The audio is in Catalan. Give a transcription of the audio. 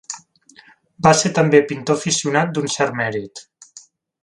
Va ser també pintor aficionat d'un cert mèrit.